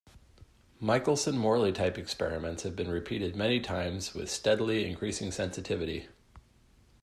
Michelson-Morley type experiments have been repeated many times with steadily increasing sensitivity.